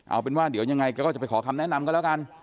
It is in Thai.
เอาเป็นว่าเดี๋ยวยังไงแกก็จะไปขอคำแนะนำกันแล้วกัน